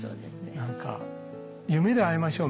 何か「夢であいましょう」